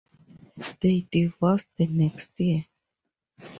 They divorced the next year.